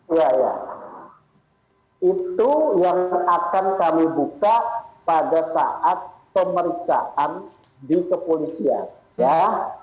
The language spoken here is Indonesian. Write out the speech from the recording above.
iya ya itu yang akan kami buka pada saat pemeriksaan di kepolisian ya